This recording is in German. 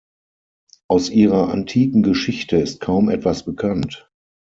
Aus ihrer antiken Geschichte ist kaum etwas bekannt.